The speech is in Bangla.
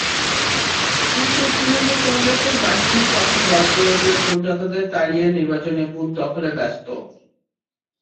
কিন্তু তৃণমূল কংগ্রেসের বাহিনী তখন বলপ্রয়োগে ভোটদাতাদের তাড়িয়ে নির্বাচনী বুথ দখলে ব্যস্ত।